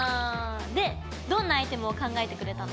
でどんなアイテムを考えてくれたの？